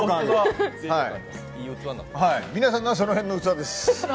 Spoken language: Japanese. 皆さんのはその辺の器です。